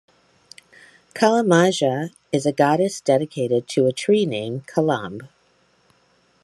Kalamaja is a Goddess dedicated to a tree named Kalamb.